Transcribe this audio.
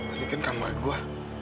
ini kan kambar gue